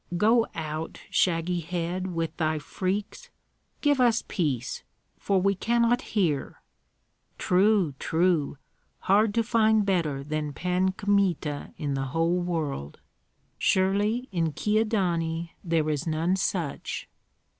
"Go out, shaggy head, with thy freaks! Give us peace, for we cannot hear. True, true; hard to find better than Pan Kmita in the whole world; surely in Kyedani there is none such."